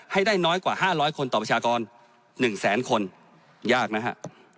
ให้ได้น้อยกว่า๕๐๐คนต่อประชากร๑แสนคนยากนะฮะ